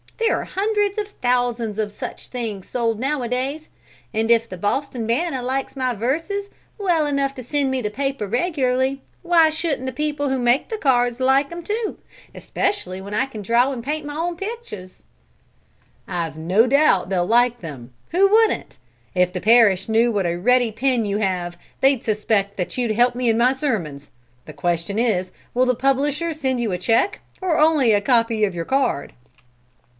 There are hundreds of thousands of such things sold nowadays; and if the 'Boston Banner' likes my verses well enough to send me the paper regularly, why shouldn't the people who make cards like them too, especially when I can draw and paint my own pictures?" "I've no doubt they'll like them; who wouldn't? If the parish knew what a ready pen you have, they'd suspect that you help me in my sermons! The question is, will the publishers send you a check, or only a copy of your card?"